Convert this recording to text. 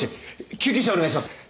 救急車をお願いします！